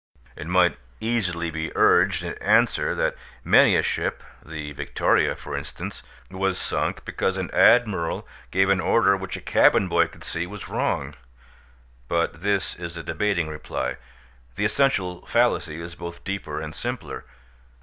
It might easily be urged in answer that many a ship (the Victoria, for instance) was sunk because an admiral gave an order which a cabin boy could see was wrong. But this is a debating reply; the essential fallacy is both deeper and simpler.